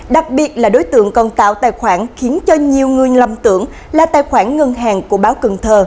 đặc biệt là đối tượng còn tạo tài khoản khiến cho nhiều người lầm tưởng là tài khoản ngân hàng của báo cần thơ